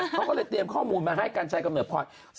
เขาก็เลยเตรียมข้อมูลมาให้กัญชัยกำเนิดพลอย